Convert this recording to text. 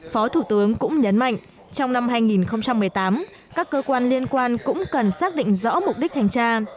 phó thủ tướng cũng nhấn mạnh trong năm hai nghìn một mươi tám các cơ quan liên quan cũng cần xác định rõ mục đích thanh tra